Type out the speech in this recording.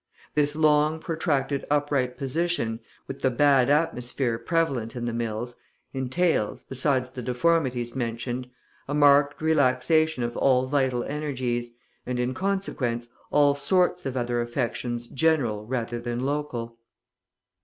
This long protracted upright position, with the bad atmosphere prevalent in the mills, entails, besides the deformities mentioned, a marked relaxation of all vital energies, and, in consequence, all sorts of other affections general rather than local.